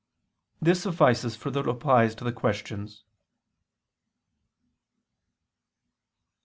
This suffices for the Replies to the Objections.